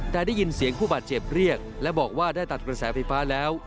แต่ได้ยินเสียงผู้บาดเจ็บเรียกและบอกว่าได้ตัดกระแสไฟฟ้าแล้ว